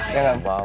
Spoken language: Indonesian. ya gak apa apa